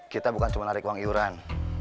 kita bukan cuma narik uang iuran